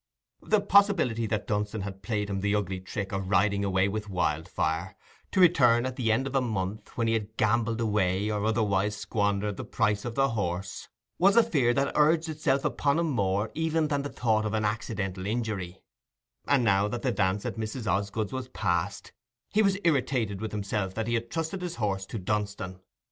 The possibility that Dunstan had played him the ugly trick of riding away with Wildfire, to return at the end of a month, when he had gambled away or otherwise squandered the price of the horse, was a fear that urged itself upon him more, even, than the thought of an accidental injury; and now that the dance at Mrs. Osgood's was past, he was irritated with himself that he had trusted his horse to Dunstan.